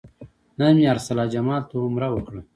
نن مې ارسلا جمال ته عمره وکړه.